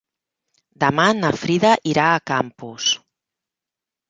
Demà na Frida irà a Campos.